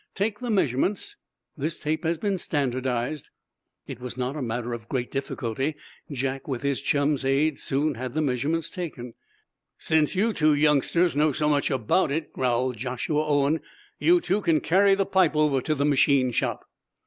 Take the measurements. This tape has been standardized." It was not a matter of great difficulty. Jack, with his chum's aid, soon had the measurements taken. "Since you youngsters know so much about it," growled Joshua Owen, "you two can carry the pipe over to the machine shop."